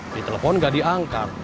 ditelepon gak diangkat